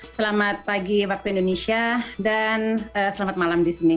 selamat pagi waktu indonesia dan selamat malam di sini